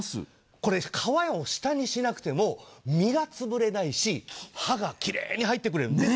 これね皮を下にしなくても身が潰れないし刃が奇麗に入ってくれる。